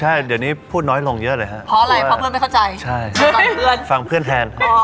ห้ามึงพูดอะไรนะ